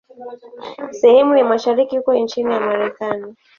Sehemu ya mashariki iko chini ya Marekani.